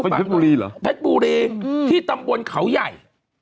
เป็นแพทย์บูรีเหรอแพทย์บูรีที่ตำบวนเขาใหญ่